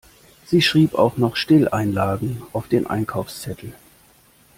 Sie schrieb auch noch Stilleinlagen auf den Einkaufszettel.